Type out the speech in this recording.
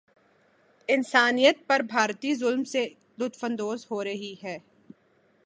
انسانیت پر بھارتی ظلم سے لطف اندوز ہورہی ہے